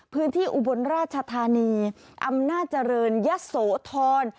พื้นที่อุบลราชธานีอำนาจริยะโสธร